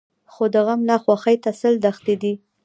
خو د غم نه خوښۍ ته سل دښتې دي.